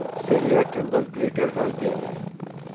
Celia Trimble greeted her gaily.